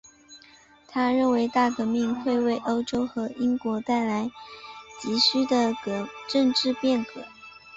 他认为大革命会为欧洲和英国带来急需的政治变革。